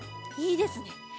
いいですね。